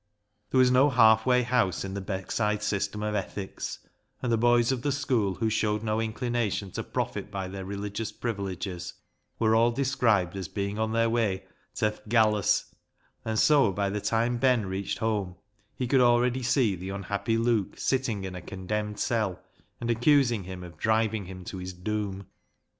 There was no half way house in the Beckside system of ethics, and the boys of the school who showed no inclination to profit by their religious privileges were all described as being on their way " ta th' gallus "; and so by the LEAH'S LOVER 51 time Ben reached home he could already see the unhappy Luke sitting in a condemned cell, and accusing him of driving him to his doom.